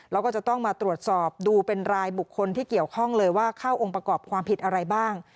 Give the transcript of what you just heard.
แล้วก็จะต้องมาตรวจสอบดูเป็นรายบุคคลที่เกี่ยวข้องเลยว่าเข้าองค์ประกอบความผิดอะไรบ้าง